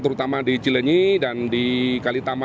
terutama di cilenyi dan di kalitama